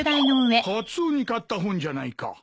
カツオに買った本じゃないか。